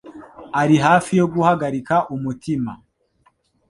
Ari hafi yo guhagarika umutima.